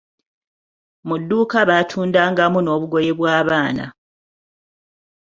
Mu dduuka baatundangamu n'obugoye bw'abaana.